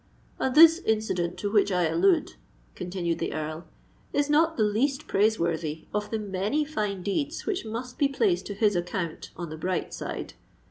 "And this incident to which I allude," continued the Earl, "is not the least praiseworthy of the many fine deeds which must be placed to his account on the bright side.